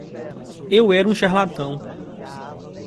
Eu era um charlatão...